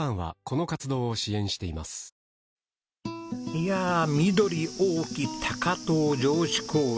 いやあ緑多き高遠城址公園